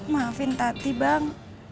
maafin tadi bang